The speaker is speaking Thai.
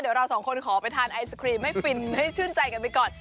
เดี๋ยวเราสองคนขอไปทานไอศครีมให้ฟินให้ชื่นใจกันไปก่อน